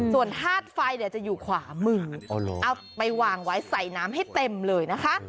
ส่วนธาตุไฟจะอยู่ขวามือเอาไปวางไว้ใส่น้ำให้เต็มเลยนะคะ